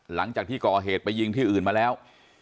หลังจากที่ก่อเหตุไปยิงที่อื่นมาแล้ว